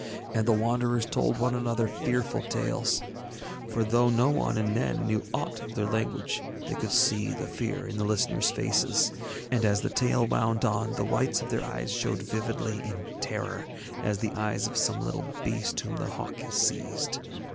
And the Wanderers told one another fearful tales; for though no one in Nen knew ought of their language yet they could see the fear on the listeners' faces, and as the tale wound on the whites of their eyes showed vividly in terror as the eyes of some little beast whom the hawk has seized.